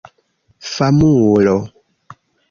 famulo